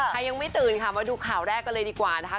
ยังไม่ตื่นค่ะมาดูข่าวแรกกันเลยดีกว่านะคะ